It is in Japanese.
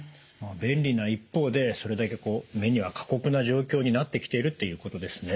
便利な一方でそれだけこう目には過酷な状況になってきているっていうことですね。